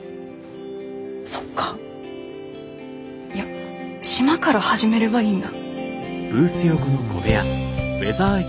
そっかいや島から始めればいいんだ。